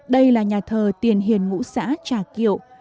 đây là nhà thờ tiền hiền ngũ xã trà kiệu